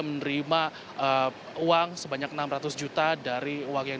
menerima uang sebanyak enam ratus juta dari uang yang